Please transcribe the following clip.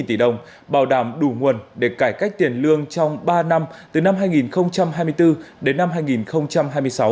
một mươi tỷ đồng bảo đảm đủ nguồn để cải cách tiền lương trong ba năm từ năm hai nghìn hai mươi bốn đến năm hai nghìn hai mươi sáu